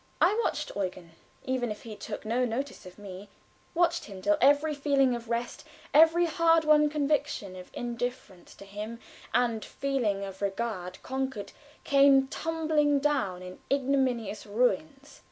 I watched Eugen, even if he took no notice of me watched him till every feeling of rest, every hard won conviction of indifference to him and feeling of regard conquered came tumbling down in ignominious ruins.